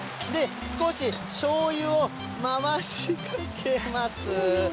少し、しょうゆを回しかけます。